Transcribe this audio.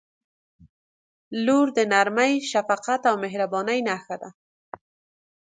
• لور د نرمۍ، شفقت او مهربانۍ نښه ده.